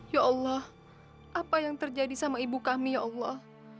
ya allah apa yang terjadi sama ibu kami ya allah